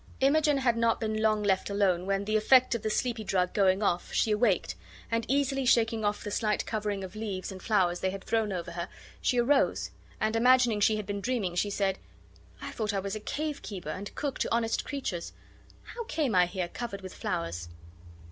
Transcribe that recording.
Imogen had not been long left alone when, the effect of the sleepy drug going off, she awaked, and easily shaking off the slight covering of leaves and flowers they had thrown over her, she arose, and, imagining she had been dreaming, she said: "I thought I was a cave keeper and cook to honest creatures. How came I here covered with flowers?"